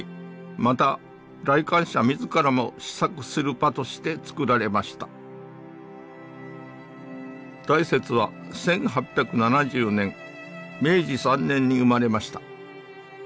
また来館者自らも思索する場としてつくられました大拙は１８７０年明治３年に生まれました。